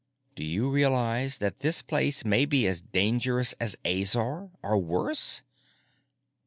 Do you realize that this place may be as dangerous as Azor or worse?"